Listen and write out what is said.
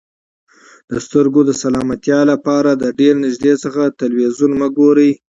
د سترګو د سلامتیا لپاره د ډېر نږدې څخه تلویزیون مه ګورئ.